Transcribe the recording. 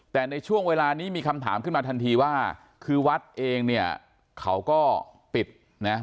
แต่ในช่วงเวลานี้มีคำถามขึ้นมาทันทีว่าคือวัดเองเนี่ยเขาก็ปิดนะ